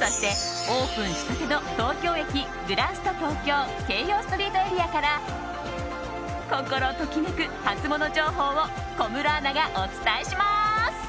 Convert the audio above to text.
そして、オープンしたての東京駅グランスタ東京京葉ストリートエリアから心ときめくハツモノ情報を小室アナがお伝えします。